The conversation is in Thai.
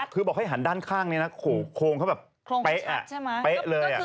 คือบอกให้หันด้านข้างโค้งเขาแบบเป๊ะ